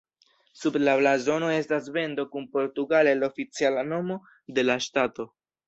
Sub la blazono estas bendo kun portugale la oficiala nomo de la ŝtato.